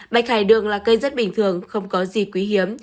bạch hải đường là cây rất bình thường không có gì quý hiếm